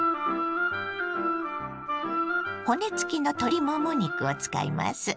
骨付きの鶏もも肉を使います。